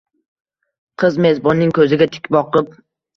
Qiz mezbonning koʼziga tik boqib: